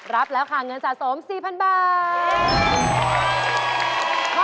รับแล้วค่ะเงินสะสม๔๐๐๐บาท